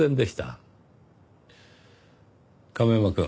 亀山くん。